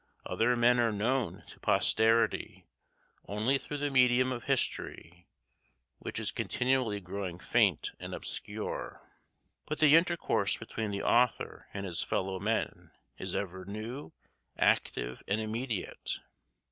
Other men are known to posterity only through the medium of history, which is continually growing faint and obscure; but the intercourse between the author and his fellowmen is ever new, active, and immediate.